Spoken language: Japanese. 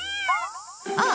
あっ！